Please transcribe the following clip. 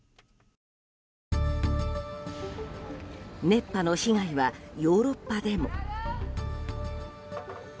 熱波の被害はヨーロッパでも。